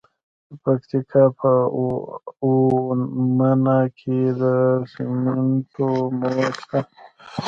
د پکتیکا په اومنه کې د سمنټو مواد شته.